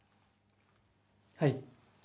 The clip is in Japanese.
はい。